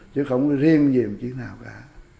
chứ không có riêng gì một chút nào cả